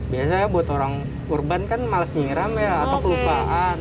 biasanya buat orang urban kan males nyiram ya atau kelupaan